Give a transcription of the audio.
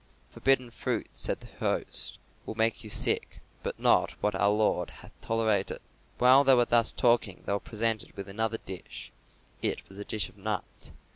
"Forbidden fruit," said the host, "will make you sick, but not what our Lord hath tolerated." While they were thus talking they were presented with another dish, and it was a dish of nuts.